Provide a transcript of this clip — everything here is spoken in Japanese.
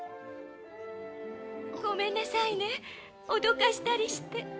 ごめんなさいね、脅かしたりして。